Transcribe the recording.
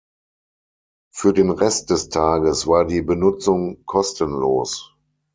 Für den Rest des Tages war die Benutzung kostenlos.